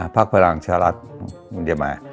พักพระราชน์